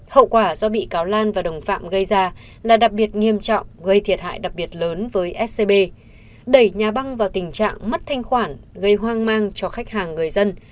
hậu quả do bị cáo lan và đồng phạm gây ra là đặc biệt nghiêm trọng gây thiệt hại đặc biệt lớn với scb đẩy nhà băng vào tình trạng mất thanh khoản gây hoang mang cho khách hàng người dân